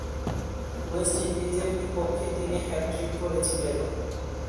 West ইন্ডিজের বিপক্ষে তিনি হ্যাট্রিক করেছিলেন।